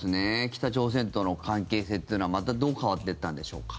北朝鮮との関係性というのはまたどう変わっていったんでしょう。